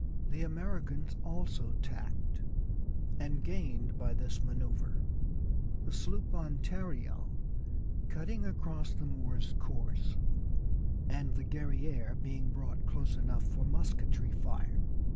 The Americans also tacked, and gained by this manoeuvre, the sloop Ontario cutting across the Moor's course, and the Guerrière being brought close enough for musketry fire.